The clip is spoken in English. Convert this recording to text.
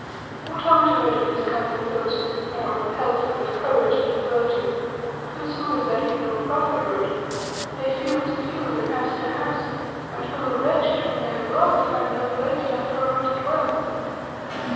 "What of it if I do discomfort those who think more of pelf than of courage and of virtue; those who, as that Hebrew prophet wrote, lay field to field and house to house, until the wretched whom they have robbed find no place left whereon to dwell?